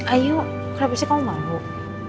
ayo kenapa sih kamu mabuk